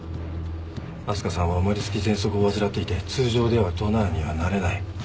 明日香さんは生まれつきぜんそくを患っていて通常ではドナーにはなれない。